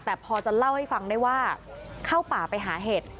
แต่พอจะเล่าให้ฟังได้ว่าเข้าป่าไปหาเห็ด